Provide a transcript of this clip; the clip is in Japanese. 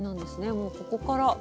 もうここから。